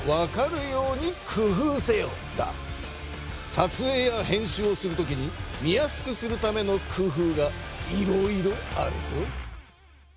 撮影や編集をするときに見やすくするための工夫がいろいろあるぞ。